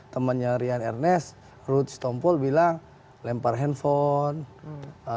temannya rian ernest ruth sitompul bilang lempar handphone